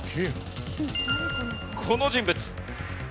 この人物。